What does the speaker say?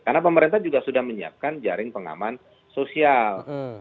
karena pemerintah juga sudah menyiapkan jaring pengaman sosial